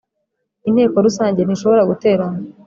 Inteko Rusange ntishobora guterana